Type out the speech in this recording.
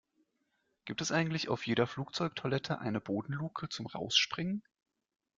Gibt es eigentlich auf jeder Flugzeugtoilette eine Bodenluke zum Rausspringen?